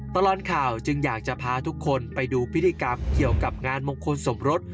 ตลอดข่าวจึงอยากจะพาทุกคนไปดูพิธีกรรมเกี่ยวกับงานมงคลสมรส